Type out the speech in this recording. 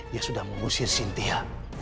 dia sudah mengusir sintia